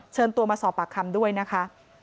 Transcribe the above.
เชิญตัวมาสอบปากคำด้วยนะคะ